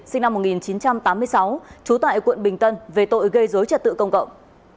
sinh năm một nghìn chín trăm tám mươi sáu trú tại quận bình tân về tội gây dối trật tự công cộng